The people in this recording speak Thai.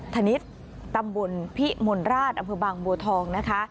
ธนิษฐ์ตำบลพิมลราชอำเภอบางบัวทองนะคะ